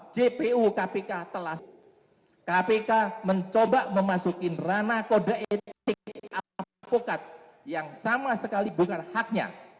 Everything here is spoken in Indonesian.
jpu kpk telah kpk mencoba memasuki ranah kode etik avokat yang sama sekali bukan haknya